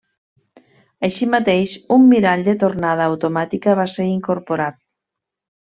Així mateix, un mirall de tornada automàtica va ser incorporat.